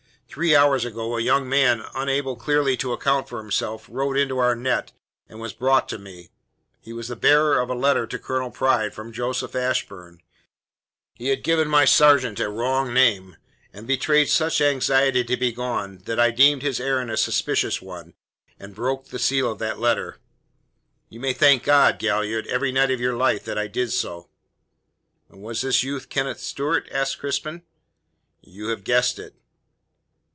Three hours ago a young man unable clearly to account for himself rode into our net, and was brought to me. He was the bearer of a letter to Colonel Pride from Joseph Ashburn. He had given my sergeant a wrong name, and betrayed such anxiety to be gone that I deemed his errand a suspicious one, and broke the seal of that letter. You may thank God, Galliard, every night of your life that I did so." "Was this youth Kenneth Stewart?" asked Crispin. "You have guessed it."